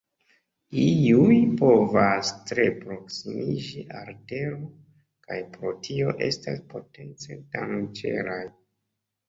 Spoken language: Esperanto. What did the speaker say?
Iuj povas tre proksimiĝi al Tero, kaj pro tio estas potence danĝeraj.